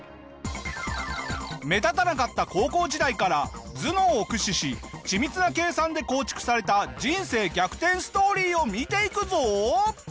目立たなかった高校時代から頭脳を駆使し緻密な計算で構築された人生逆転ストーリーを見ていくぞ！